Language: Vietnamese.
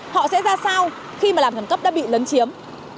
họ sẽ ra sao khi mà làn khẩn cấp đã bị lấn chiếm